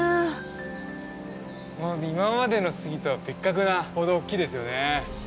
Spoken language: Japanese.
今までの杉とは別格なほど大きいですよね。